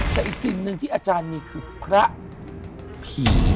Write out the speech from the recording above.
แต่อีกสิ่งหนึ่งที่อาจารย์มีคือพระผี